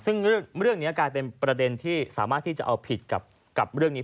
ซึ่งเรื่องนี้กลายเป็นประเด็นที่สามารถที่จะเอาผิดกับเรื่องนี้